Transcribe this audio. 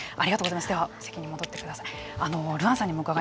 では、席に戻ってください。